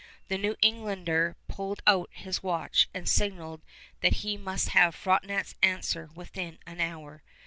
The New Englander pulled out his watch and signaled that he must have Frontenac's answer within an hour.